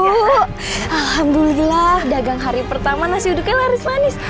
alhamdulillah dagang hari pertama nasi uduknya laris manis